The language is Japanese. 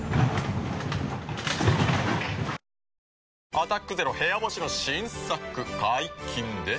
「アタックＺＥＲＯ部屋干し」の新作解禁です。